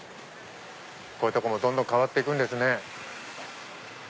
こういうとこもどんどん変わって行くんですね。